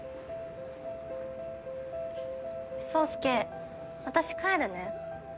宗介私帰るね。